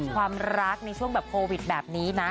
ความรักในช่วงแบบโควิดแบบนี้นะ